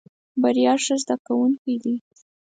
بريا ښه زده کوونکی دی.